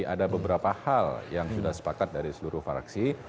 ada beberapa hal yang sudah sepakat dari seluruh fraksi